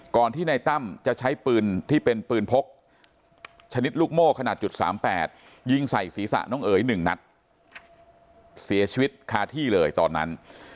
ที่ในตั้มจะใช้ปืนที่เป็นปืนพกชนิดลูกโม่ขนาดจุด๓๘ยิงใส่ศีรษะน้องเอ๋ย๑นัดเสียชีวิตคาที่เลยตอนนั้น